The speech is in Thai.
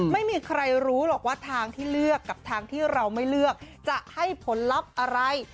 ไม่มีใครรู้หรอกว่าทางที่เลือกกับทางที่เราไม่เลือกจะให้ผลลัพธ์อะไร